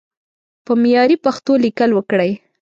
په معياري پښتو ليکل وکړئ!